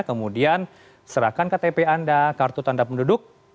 kemudian serahkan ke tpa anda kartu tanda penduduk